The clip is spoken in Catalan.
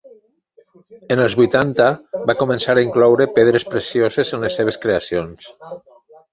En els vuitanta va començar a incloure pedres precioses en les seves creacions.